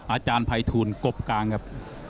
อาจารย์ภัยทูลกบกลางครับ